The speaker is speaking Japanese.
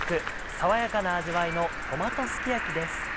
爽やかな味わいの「トマトすき焼き」です。